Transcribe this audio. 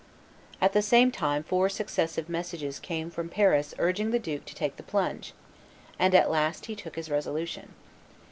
At the same time four successive messages came from Paris urging the duke to make the plunge; and at last he took his resolution.